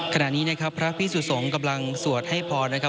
ขณะนี้นะครับพระพิสุสงฆ์กำลังสวดให้พรนะครับ